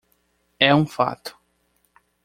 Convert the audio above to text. É um fato.